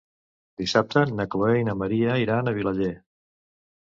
Dissabte na Chloé i na Maria iran a Vilaller.